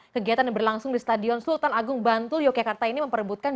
kegiatan yang berlangsung di stadion sultan agung bantul yogyakarta ini memperebutkan